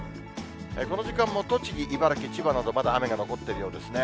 この時間も栃木、茨城、千葉など、まだ雨が残っているようですね。